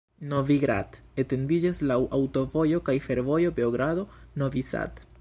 Novi Grad etendiĝas laŭ aŭtovojo kaj fervojo Beogrado-Novi Sad.